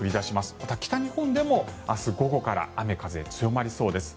また北日本でも明日午後から雨風強まりそうです。